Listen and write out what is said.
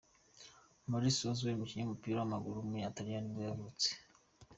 Moris Carrozzieri, umukinnyi w’umupira w’amaguru w’umutaliyani nibwo yavutse.